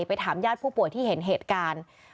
ถามญาติผู้ป่วยที่เห็นเหตุการณ์